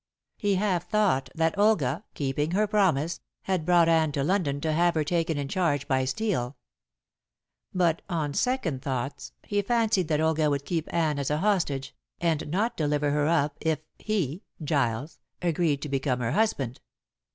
He half thought that Olga, keeping her promise, had brought Anne to London to have her taken in charge by Steel. But on second thoughts he fancied that Olga would keep Anne as a hostage, and not deliver her up if he Giles agreed to become her husband.